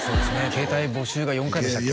携帯没収が４回でしたっけ？